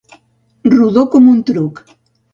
Rodó com un truc.